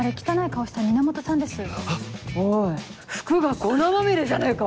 おい服が粉まみれじゃねえか！